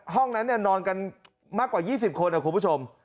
ห้องนั้นนอนกันมากกว่า๒๐คนนะคุณผู้ชม